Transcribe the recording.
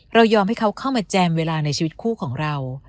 ยอมให้เขาเข้ามาแจมเวลาในชีวิตคู่ของเรา